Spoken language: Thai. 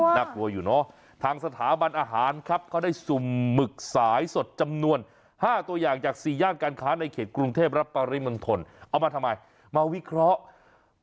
น่ากลัวอยู่เนอะทางสถาบันอาหารครับเขาได้สุ่มหมึกสายสดจำนวน๕ตัวอย่างจากสี่ย่านการค้าในเขตกรุงเทพและปริมณฑลเอามาทำไมมาวิเคราะห์